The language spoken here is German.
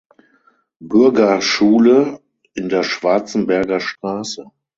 Bürgerschule in der Schwarzenberger Straße.